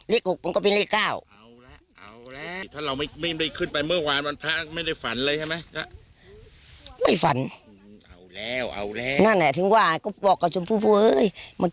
เล็กหุกมันก็เป็นเล็กเก้า